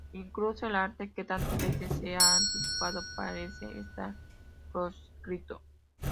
Incluso el arte que tantas veces se ha anticipado parece estar proscrito.